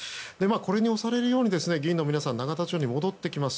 これに押されるように議員の皆さん永田町に戻ってきます。